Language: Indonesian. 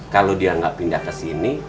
kalau dia nggak pindah ke sini